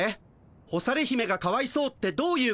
干され姫がかわいそうってどういうこと？